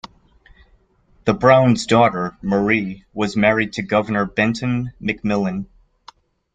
The Browns' daughter, Marie, was married to Governor Benton McMillin.